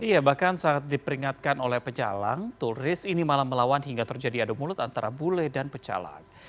iya bahkan saat diperingatkan oleh pecalang turis ini malah melawan hingga terjadi adu mulut antara bule dan pecalang